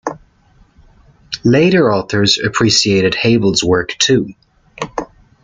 Later authors appreciated Hebel's work too.